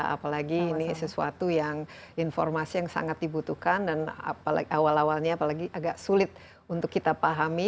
apalagi ini sesuatu yang informasi yang sangat dibutuhkan dan awal awalnya apalagi agak sulit untuk kita pahami